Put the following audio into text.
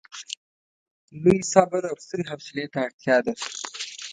لوی صبر او سترې حوصلې ته اړتیا ده.